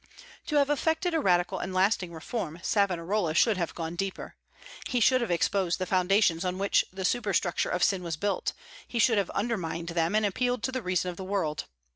To have effected a radical and lasting reform, Savonarola should have gone deeper. He should have exposed the foundations on which the superstructure of sin was built; he should have undermined them, and appealed to the reason of the world.